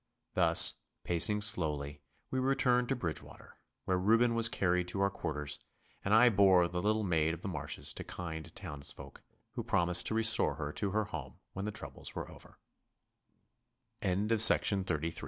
Thus, pacing slowly, we returned to Bridgewater, where Reuben was carried to our quarters, and I bore the little maid of the marshes to kind townsfolk, who promised to restore her to her home when the troub